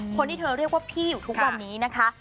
คนที่เธอเรียกว่าพี่อยู่ทุกวันนี้นะคะ